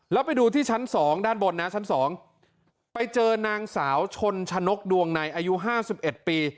แล้วไปดูที่ชั้น๒ด้านบนนะชั้น๒ไปเจอนางสาวชนชนกดวงในอายุ๕๑ปี